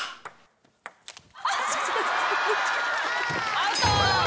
アウト！